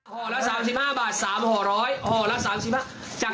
ห็อกลัก๓๕บาท๓ห็อกหก๑๐๐บาท